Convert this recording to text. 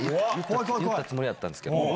言ったつもりやったんですけど。